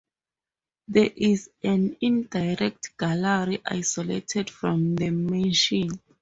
There is an indirect gallery isolated from the mansion.